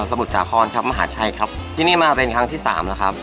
มุทรสาครครับมหาชัยครับที่นี่มาเป็นครั้งที่สามแล้วครับ